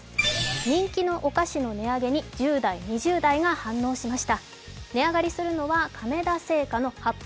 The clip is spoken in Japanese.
人気のお菓子の値上げに１０代、２０代が反応しました。